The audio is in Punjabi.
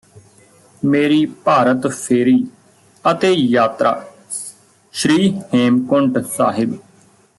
ਮੇਰੀ ਭਾਰਤ ਫੇਰੀ ਅਤੇ ਯਾਤਰਾ ਸ਼੍ਰੀ ਹੇਮਕੁੰਟ ਸਾਹਿਬ